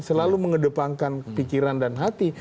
selalu mengedepankan pikiran dan hati